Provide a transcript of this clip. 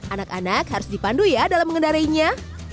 anak anak harus dipandu ya dalam mengendarainya